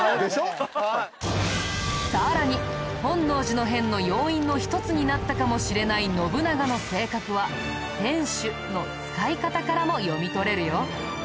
さらに本能寺の変の要因の一つになったかもしれない信長の性格は天主の使い方からも読み取れるよ。